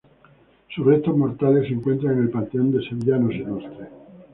Sus restos mortales se encuentran en el Panteón de Sevillanos Ilustres.